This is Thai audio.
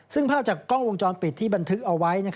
ซึ่งภาพจากกล้องวงจรปิดที่บันทึกเอาไว้